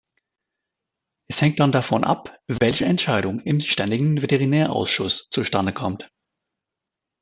Es hängt dann davon ab, welche Entscheidung im Ständigen Veterinärausschuss zustande kommt.